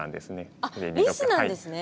あっリスなんですね。